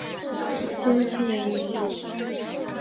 经济以渔业为主。